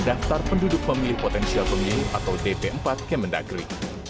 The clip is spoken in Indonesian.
daftar penduduk pemilih potensial pemilih atau dp empat kemendagri